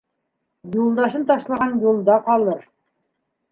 Юлдашын ташлаған юлда ҡалыр.